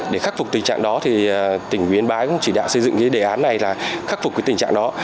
để khắc phục tình trạng đó thì tỉnh yên bái cũng chỉ đạo xây dựng cái đề án này là khắc phục cái tình trạng đó